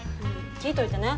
聞いといてね。